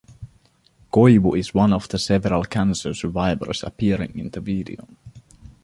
Koivu is one of several cancer survivors appearing in the video.